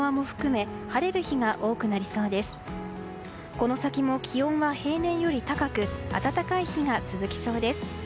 この先も気温は平年より高く暖かい日が続きそうです。